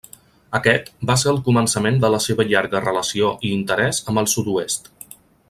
Aquest va ser el començament de la seva llarga relació i interès amb el Sud-oest.